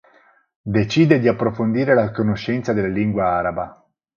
Decide di approfondire la conoscenza della lingua araba.